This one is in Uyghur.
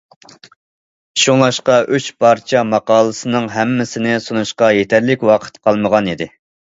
شۇڭلاشقا ئۈچ پارچە ماقالىسىنىڭ ھەممىسىنى سۇنۇشقا يېتەرلىك ۋاقىت قالمىغانىدى.